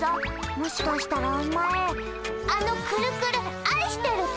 もしかしたらお前あのくるくるあいしてるか？